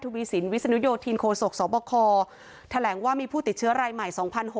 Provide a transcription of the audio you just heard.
วีสินวิศนุโยธินโคศกสบคแถลงว่ามีผู้ติดเชื้อรายใหม่๒๖๐